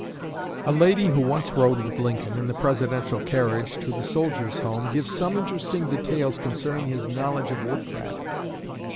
'" A lady who once rode with Lincoln, in the Presidential carriage, to the Soldiers' Home, gives some interesting details concerning his knowledge of woodcraft.